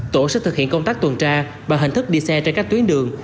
tổ sẽ thực hiện công tác tuần tra bằng hình thức đi xe trên các tuyến đường